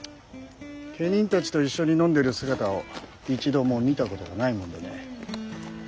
家人たちと一緒に飲んでる姿を一度も見たことがないもんでね。